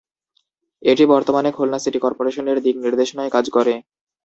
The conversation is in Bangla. এটি বর্তমানে খুলনা সিটি করপোরেশনের দিক নির্দেশনায় কাজ করে।